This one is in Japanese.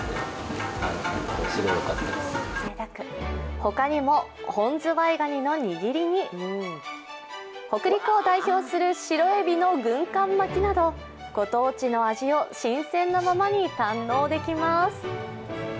ほかにも本ずわいがにの握りに北陸を代表する白えびの軍艦巻きなどご当地の味を新鮮なままに堪能できます。